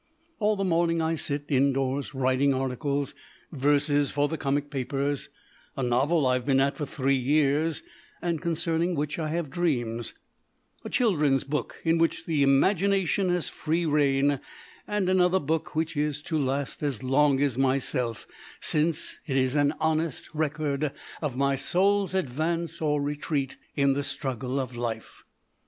All the morning I sit indoors writing articles; verses for the comic papers; a novel I've been "at" for three years, and concerning which I have dreams; a children's book, in which the imagination has free rein; and another book which is to last as long as myself, since it is an honest record of my soul's advance or retreat in the struggle of life.